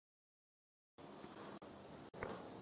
তবে অন্যতম সেরা তো বটেই এবং শেষ পর্যন্ত পারফরম্যান্সই সেটি বলবে।